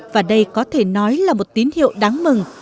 và đây có thể nói là một tín hiệu đáng mừng